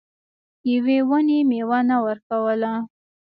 یوې ونې میوه نه ورکوله.